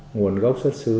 nguồn gốc xuất xứ